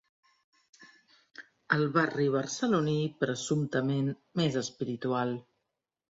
El barri barceloní presumptament més espiritual.